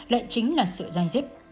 lại chính là sự dài dứt